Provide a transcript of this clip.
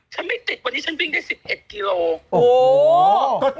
ไม่ติดวันนี้ฉันวิ่งได้๑๑กิโล